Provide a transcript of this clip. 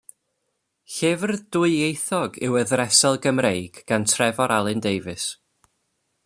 Llyfr dwyieithog yw Y Ddresel Gymreig gan Trefor Alun Davies.